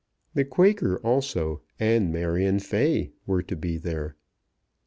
The Quaker also and Marion Fay were to be there.